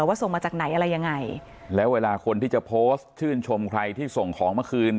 ว่าส่งมาจากไหนอะไรยังไงแล้วเวลาคนที่จะโพสต์ชื่นชมใครที่ส่งของเมื่อคืน